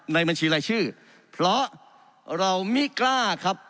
บัญชีรายชื่อเพราะเราไม่กล้าครับ